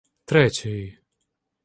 Третьої